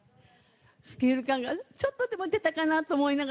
スケール感がちょっとでも出たかなと思って。